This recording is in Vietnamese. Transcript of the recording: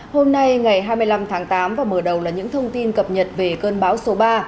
hôm nay ngày hai mươi năm tháng tám và mở đầu là những thông tin cập nhật về cơn bão số ba